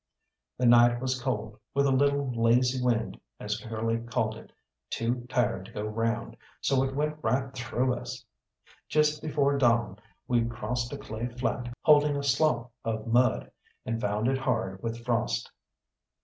The night was cold, with a little "lazy wind," as Curly called it, too tired to go round, so it went right through us. Just before dawn we crossed a clay flat holding a slough of mud, and found it hard with frost.